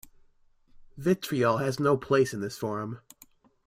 Vitriol has no place in this forum.